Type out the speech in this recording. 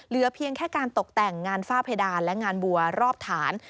เพียงแค่การตกแต่งงานฝ้าเพดานและงานบัวรอบฐาน